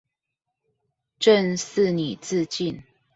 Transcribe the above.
朕賜你自盡